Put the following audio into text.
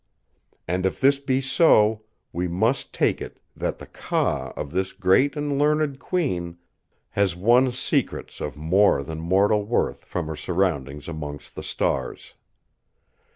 And if this be so, we must take it that the 'Ka' of this great and learned Queen has won secrets of more than mortal worth from her surroundings amongst the stars.